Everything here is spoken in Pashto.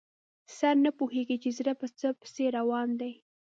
سر نه پوهېږي چې زړه په څه پسې روان دی.